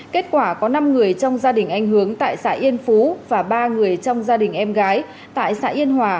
kết quả có năm người trong gia đình anh hướng tại xã yên phú và ba người trong gia đình em gái tại xã yên hòa